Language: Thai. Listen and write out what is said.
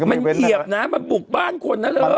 มันเขียบนะมันบุกบ้านคนนะเธอ